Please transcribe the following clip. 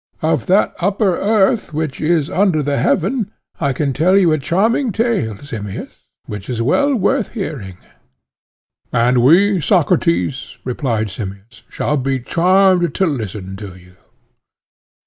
Of that upper earth which is under the heaven, I can tell you a charming tale, Simmias, which is well worth hearing. And we, Socrates, replied Simmias, shall be charmed to listen to you.